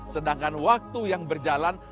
sedangkan waktu yang berjalan